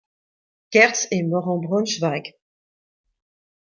Geertz est mort en Braunschweig.